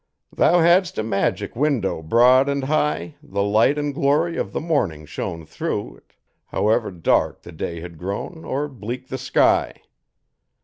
Thou hadst a magic window broad and high The light and glory of the morning shone Thro' it, however dark the day had grown, Or bleak the sky.